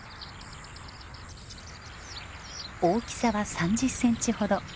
大きさは３０センチほど。